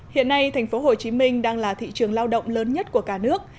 hiện nay thành phố hồ chí minh đang là thị trường lao động lớn nhất của cả nước